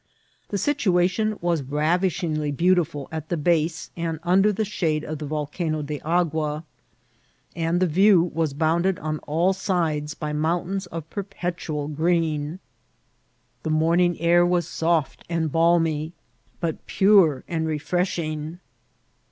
The sit uation was ravishingly beautiful, at the base and under the shade of the Volcano de Agua, and the view was bounded on all sides by mountains of perpetual green ; the morning air was soft and balmy, but pure and 24 S78 INCIDIITTS OF TKATXL. refreshing.